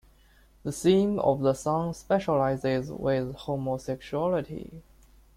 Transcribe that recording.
The theme of the song specializes with homosexuality.